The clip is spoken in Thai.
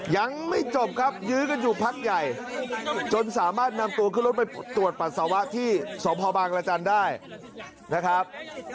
ยังไม่จบครับยื้อกันอยู่พักใหญ่จนสามารถนำตัวขึ้นรถไปตรวจปัสสาวะที่สพบางรจันทร์ได้นะครับ